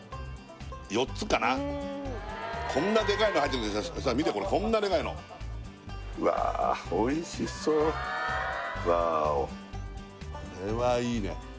４つかなこんなデカいの入ってるけどさ見てこれこんなデカいのうわおいしそうわおこれはいいね